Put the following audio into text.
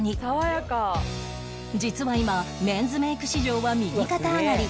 実は今メンズメイク市場は右肩上がり